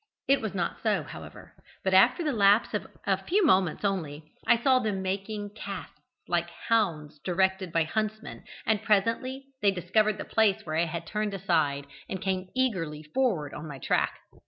It was not so, however, but after the lapse of a few moments only, I saw them making casts like hounds directed by a huntsman, and presently they discovered the place where I had turned aside, and came eagerly forward on my track.